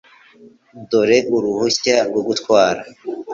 Dore uruhushya rwo gutwara .